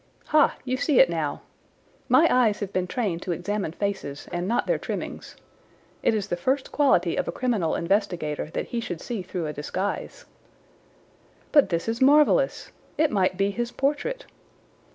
"Ha, you see it now. My eyes have been trained to examine faces and not their trimmings. It is the first quality of a criminal investigator that he should see through a disguise." "But this is marvellous. It might be his portrait."